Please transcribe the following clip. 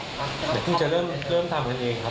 เดี๋ยวเพิ่งจะเริ่มทำกันเองครับ